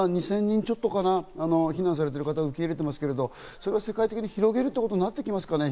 日本でも２０００人ちょっとかな、避難されている方、受け入れていますけど世界的に広げることになりますかね？